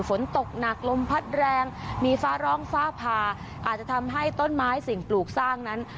ฝนตกหนักลมพัดแรงมีฟ้าร้องฟ้าผ่าอาจจะทำให้ต้นไม้สิ่งปลูกสร้างนั้น